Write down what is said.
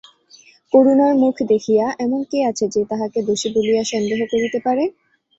করুণার মুখ দেখিয়া, এমন কে আছে যে তাহাকে দোষী বলিয়া সন্দেহ করিতে পারে?